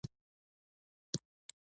د خلکو اقتصاد کمزوری دی نو حق مهم دی.